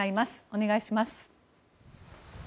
お願いします。